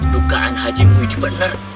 dukaan haji mu ini bener